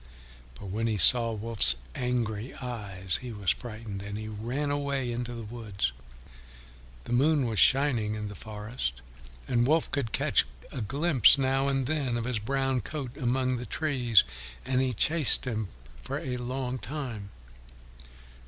But when he saw Wolf's angry eyes he was frightened, and he ran away into the woods. The moon was shining in the forest, and Wolf could catch a glimpse now and then of his brown coat among the trees, and he chased him for a long time.